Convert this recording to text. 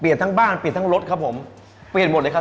เพราะฉะนั้นถ้าใครอยากทานเปรี้ยวเหมือนโป้แตก